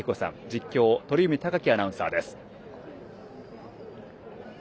実況、鳥海貴樹アナウンサーです。